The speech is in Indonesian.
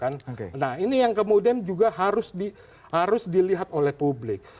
nah ini yang kemudian juga harus dilihat oleh publik